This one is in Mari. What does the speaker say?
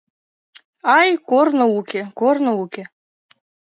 Ай, корно уке, корно уке